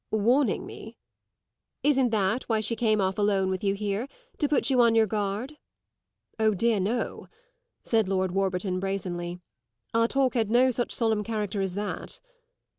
"Warning me?" "Isn't that why she came off alone with you here to put you on your guard?" "Oh dear, no," said Lord Warburton brazenly; "our talk had no such solemn character as that."